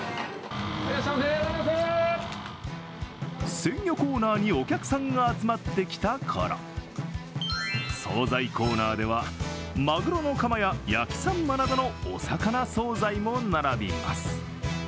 鮮魚コーナーにお客さんが集まってきた頃総菜コーナーでは、まぐろのカマや焼きさんまなどのお魚総菜も並びます。